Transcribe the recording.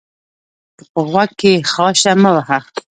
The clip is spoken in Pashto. په غوږ کښي خاشه مه وهه!